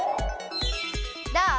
どう？